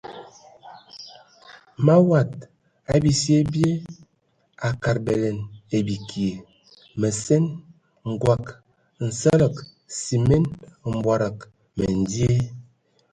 Mawad a bisye bye a kad bələna ai bikie məsen, ngɔg, nsələg simen, mbɔdɔgɔ məndie.